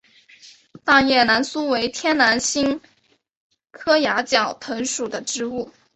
大叶南苏为天南星科崖角藤属的植物。